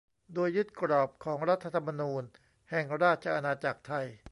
โดยยึดกรอบของรัฐธรรมนูญแห่งราชอาณาจักรไทย